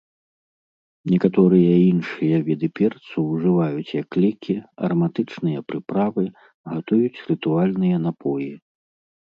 Некаторыя іншыя віды перцу ўжываюць як лекі, араматычныя прыправы, гатуюць рытуальныя напоі.